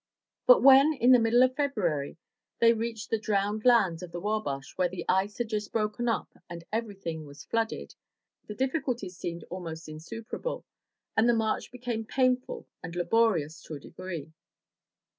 But when, in the middle of February, they reached the drowned lands of the Wabash, where the ice had just broken up and every thing was flooded, the difficulties seemed almost insuperable, and the march became painful and laborious to a degree.